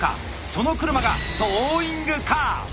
その車が「トーイングカー」。